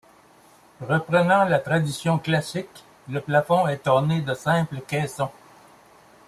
Reprenant la tradition classique, le plafond est orné de simple caissons.